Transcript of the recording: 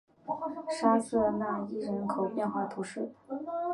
沙瑟讷伊人口变化图示